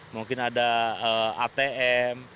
mungkin ada atm